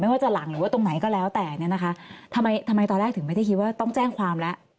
ว่าจะหลังหรือว่าตรงไหนก็แล้วแต่เนี่ยนะคะทำไมทำไมตอนแรกถึงไม่ได้คิดว่าต้องแจ้งความแล้ว